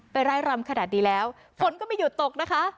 ร้ายรำขนาดนี้แล้วฝนก็ไม่หยุดตกนะคะ